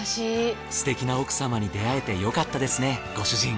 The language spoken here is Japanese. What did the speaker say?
すてきな奥様に出会えてよかったですねご主人。